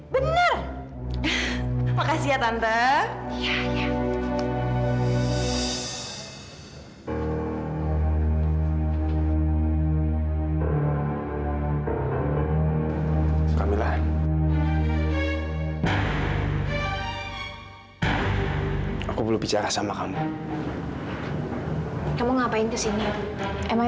biar biar saya bicara sebentar sama dia